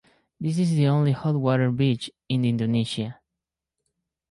This is the only hot water beach in Indonesia.